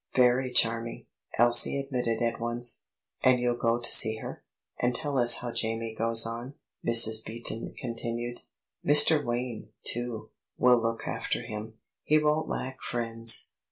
"Very charming," Elsie admitted at once. "And you'll go to see her, and tell us how Jamie goes on," Mrs. Beaton continued. "Mr. Wayne, too, will look after him; he won't lack friends."